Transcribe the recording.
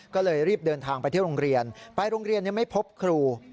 ก็เลยรีบเดินทางไปเที่ยวโรงเรียนไปโรงเรียนไม่พบครู